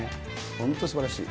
本当すばらしい。